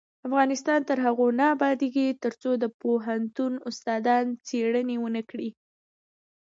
افغانستان تر هغو نه ابادیږي، ترڅو د پوهنتون استادان څیړنې ونکړي.